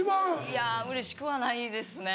いやうれしくはないですね。